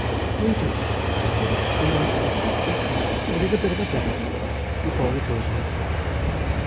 "We do, your reverence; we want you to spit out a little bit of a blessing upon us before we goes on board."